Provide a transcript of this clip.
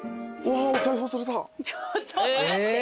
ちょっと待って。